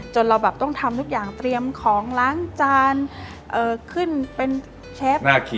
เราแบบต้องทำทุกอย่างเตรียมของล้างจานขึ้นเป็นเชฟ